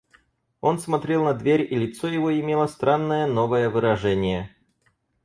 Он смотрел на дверь, и лицо его имело странное новое выражение.